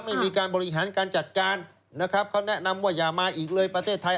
ไม่มีการบริหารการจัดการนะครับเขาแนะนำว่าอย่ามาอีกเลยประเทศไทย